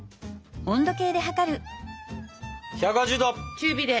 中火で。